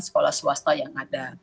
sekolah swasta yang ada